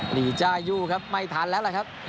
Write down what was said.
หนีจ้ายู่ครับไม่ทันแล้วล่ะครับ